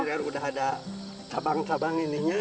udah ada cabang cabang ininya